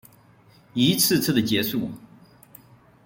一次次的结束